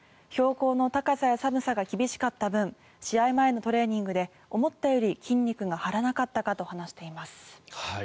標高の高さや寒さが厳しかった分試合前のトレーニングで思ったより筋肉が張らなかったかと話しています。